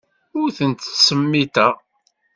Ur tent-ttsemmiteɣ.